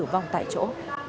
vòng tại chỗ